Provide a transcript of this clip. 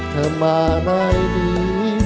เธอมาได้ดี